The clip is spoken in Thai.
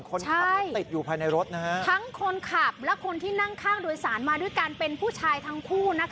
คนขับติดอยู่ภายในรถทั้งคนขับและคนที่นั่งข้างโดยสารมาด้วยกันเป็นผู้ชายทั้งคู่